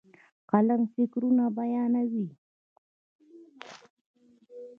قلم فکرونه بیانوي.